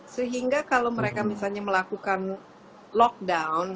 sehingga kalau mereka misalnya melakukan lockdown